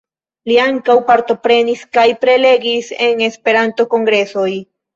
Li ankaŭ partoprenis kaj prelegis en Esperanto-kongresoj.